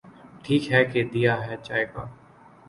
ٹھیک ہے کہ دیا ہے چائے کا۔۔۔